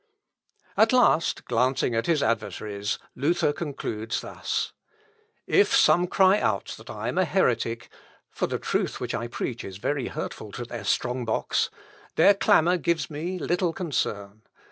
At last, glancing at his adversaries, Luther concludes thus: "If some cry out that I am a heretic, (for the truth which I preach is very hurtful to their strong box,) their clamour gives me little concern.